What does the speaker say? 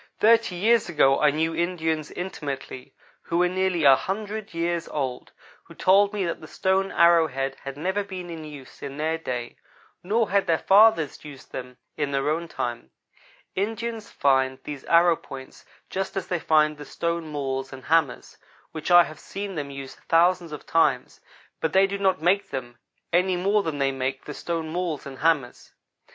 Thirty years ago I knew Indians, intimately, who were nearly a hundred years old, who told me that the stone arrow head had never been in use in their day, nor had their fathers used them in their own time. Indians find these arrow points just as they find the stone mauls and hammers, which I have seen them use thousands of times, but they do not make them any more than they make the stone mauls and hammers.